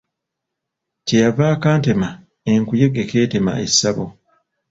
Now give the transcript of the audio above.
Kye yava akantema enkuyege k'etema essabo.